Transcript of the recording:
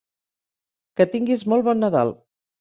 Que tinguis molt bon Nadal!